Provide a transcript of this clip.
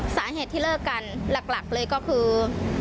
สาเหตุที่เลิกกันหลักเลยก็คือ